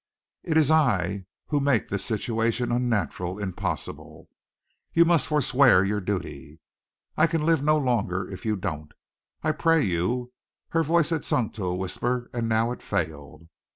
It's I who make this situation unnatural, impossible. You must forswear your duty. I can live no longer if you don't. I pray you " Her voice had sunk to a whisper, and now it failed.